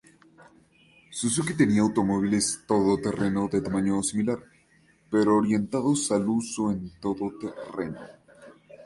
Suzuki tenía automóviles todoterreno de tamaño similar, pero orientados al uso en todoterreno.